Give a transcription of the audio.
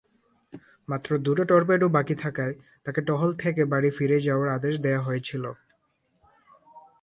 মাত্র দুটো টর্পেডো বাকি থাকায় তাকে টহল থেকে বাড়ি ফিরে যাওয়ার আদেশ দেওয়া হয়েছিল।